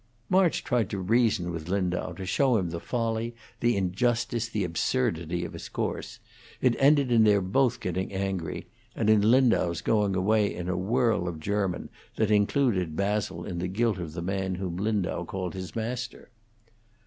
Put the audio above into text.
March tried to reason with Lindau, to show him the folly, the injustice, the absurdity of his course; it ended in their both getting angry, and in Lindau's going away in a whirl of German that included Basil in the guilt of the man whom Lindau called his master.